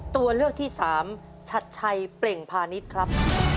ตัวเลือกที่สามชัดชัยเปล่งพาณิชย์ครับ